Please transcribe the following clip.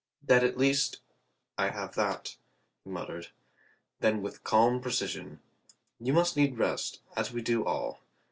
"That at least — I have that," he muttered. Then with calm precision, "You must need rest, as we do all.